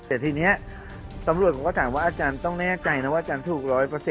แต่ทีนี้ตำรวจผมก็ถามว่าอาจารย์ต้องแน่ใจนะว่าอาจารย์ถูก๑๐๐